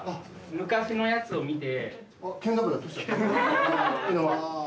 昔のやつを見て。